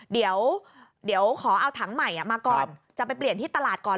เดี๋ยวขอเอาถังใหม่มาก่อนจะไปเปลี่ยนที่ตลาดก่อน